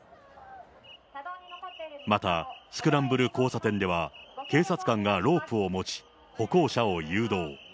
また、スクランブル交差点では、警察官がロープを持ち、歩行者を誘導。